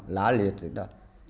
lá liệt rồi đó